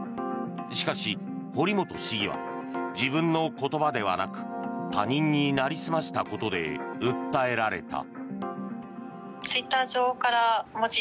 しかし、堀本市議は自分の言葉ではなく他人になりすましたことで訴えられた。